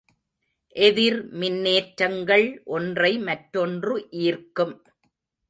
எதிர்மின்னேற்றங்கள் ஒன்றை மற்றொன்று ஈர்க்கும்.